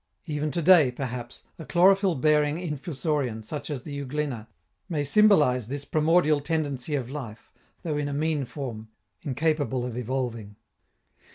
Even to day, perhaps, a chlorophyl bearing Infusorian such as the Euglena may symbolize this primordial tendency of life, though in a mean form, incapable of evolving.